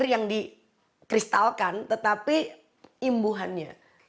yang dikristalkan tetapi imbuhannya